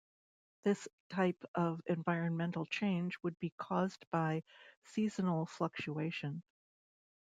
This type of environmental change would be caused by seasonal fluctuation.